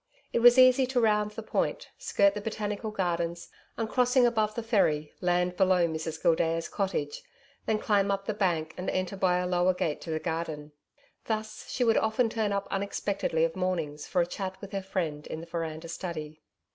It was easy to round the point, skirt the Botanical Gardens, and, crossing above the ferry, land below Mrs Gildea's cottage, then climb up the bank and enter by a lower gate to the garden. Thus she would often turn up unexpectedly of mornings for a chat with her friend in the veranda study.